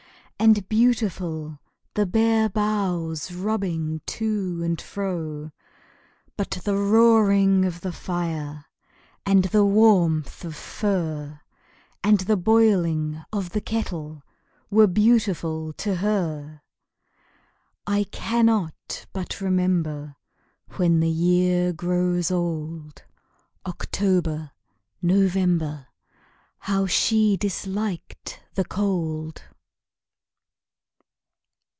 And beautiful the bare boughs Rubbing to and fro! But the roaring of the fire, And the warmth of fur, And the boiling of the kettle Were beautiful to her! I cannot but remember When the year grows old October November How she disliked the cold!